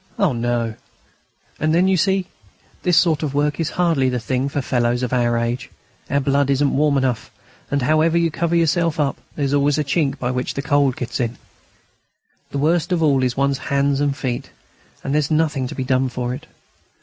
"Oh, no; and then, you see, this sort of work is hardly the thing for fellows of our age. Our blood isn't warm enough, and, however you cover yourself up, there's always a chink by which the cold gets in. The worst of all is one's hands and feet; and there's nothing to be done for it.